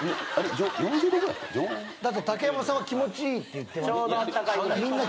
常温？だって竹山さんは「気持ちいい」って言ってましたよ。